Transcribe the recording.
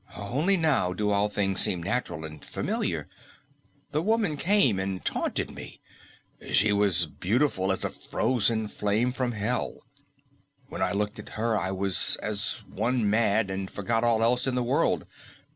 Only now do all things seem natural and familiar. The woman came and taunted me. She was beautiful as a frozen flame from hell. When I looked at her I was as one mad, and forgot all else in the world.